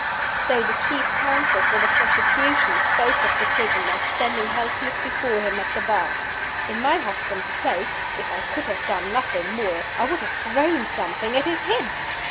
So the chief counsel for the prosecution spoke of the prisoner, standing helpless before him at the Bar. In my husband's place, if I could have done nothing more, I would have thrown something at his head.